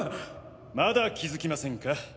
まだ気づきませんか？